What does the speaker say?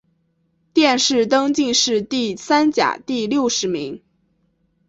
殿试登进士第三甲第六十名。